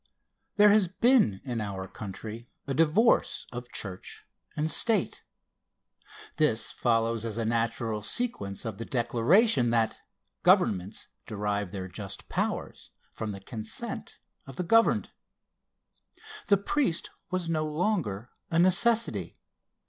There has been in our country a divorce of church and state. This follows as a natural sequence of the declaration that "governments derive their just powers from the consent of the governed." The priest was no longer a necessity.